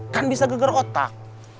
kan bisa geger otak